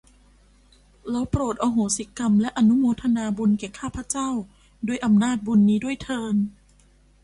แล้วโปรดอโหสิกรรม และอนุโมทนาบุญแก่ข้าพเจ้าด้วยอำนาจบุญนี้ด้วยเทอญ